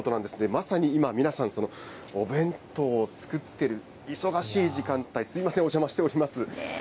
まさに今、皆さん、そのお弁当を作っている、忙しい時間帯、すみません、お邪魔しております。